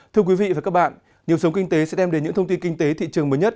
thưa quý vị và các bạn nhiều sống kinh tế sẽ đem đến những thông tin kinh tế thị trường mới nhất